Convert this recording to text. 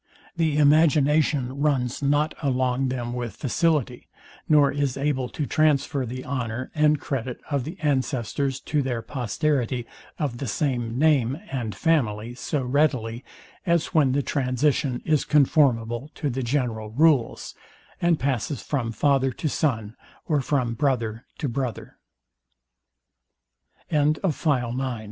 The imagination runs not along them with facility, nor is able to transfer the honour and credit of the ancestors to their posterity of the same name and family so readily, as when the transition is conformable to the general rules, and passes from father to son, or from brother to brother. Part II. Sect, 2. SECT. X OF PROPERTY AND RIC